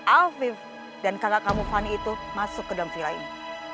alvif dan kakak kamu fani itu masuk ke dalam villa ini